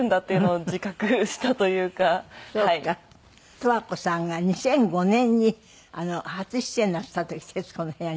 十和子さんが２００５年に初出演なすった時『徹子の部屋』に。